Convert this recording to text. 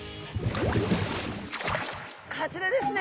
こちらですね。